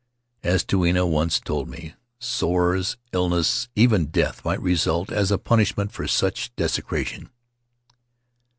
As Tuina once told me, sores, illness, even death might result as a punishment for such desecration.